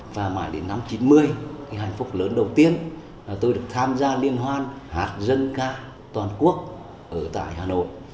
và mãi đến năm chín mươi cái hạnh phúc lớn đầu tiên là tôi được tham gia liên hoan hát dân ca toàn quốc ở tại hà nội